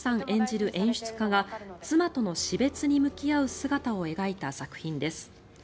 演じる演出家が妻との死別に向かい合う姿を描いた作品です。